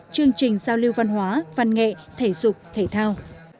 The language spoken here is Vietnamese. chương trình giao lưu văn hóa văn nghệ thể dục thể thao